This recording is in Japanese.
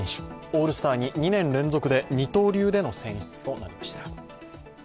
オールスターに２年連続で二刀流での選出となりました。